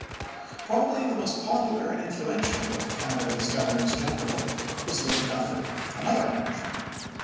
Probably the most popular and influential of Canada's governors general was Lord Dufferin, another Irishman.